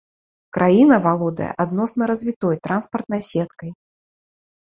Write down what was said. Краіна валодае адносна развітой транспартнай сеткай.